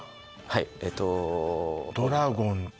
はいえっと